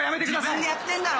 自分でやってんだろ！